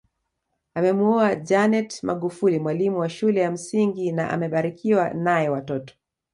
Amemuoa Janet Magufuli mwalimu wa shule ya msingi na amebarikiwa nae watoto